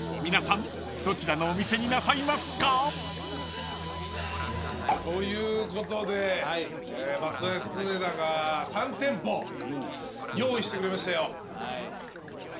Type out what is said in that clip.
［皆さんどちらのお店になさいますか？］ということでバッドナイス常田が３店舗用意してくれましたよ。